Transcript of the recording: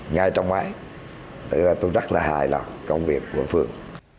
ngay trong máy tại vì vậy tôi rất là hài lòng công việc của phường